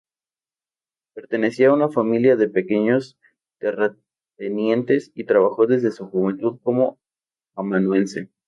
Pertenecía a una familia de pequeños terratenientes, y trabajó desde su juventud como amanuense.